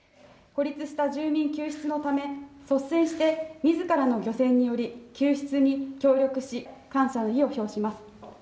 孤立した住民救出のため率先してみずからの漁船により救出に協力し感謝の意を表します。